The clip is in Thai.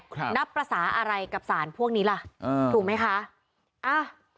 ครับนับภาษาอะไรกับสารพวกนี้ล่ะอ่าถูกไหมคะอ่ะ